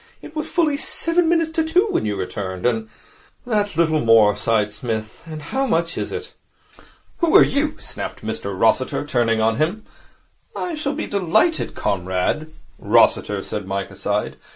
It was fully seven minutes to two when you returned, and ' 'That little more,' sighed Psmith, 'and how much is it!' 'Who are you?' snapped Mr Rossiter, turning on him. 'I shall be delighted, Comrade ' 'Rossiter,' said Mike, aside.